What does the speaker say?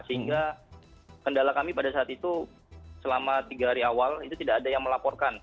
sehingga kendala kami pada saat itu selama tiga hari awal itu tidak ada yang melaporkan